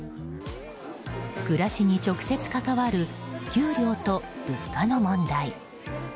暮らしに直接関わる給料と物価の問題。